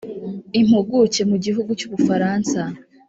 Impuguke mu gihugu cy’u Bufaransa